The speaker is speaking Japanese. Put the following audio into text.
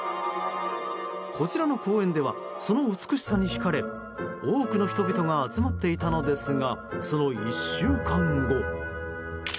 こちらの公園ではその美しさに引かれ多くの人々が集まっていたのですがその１週間後。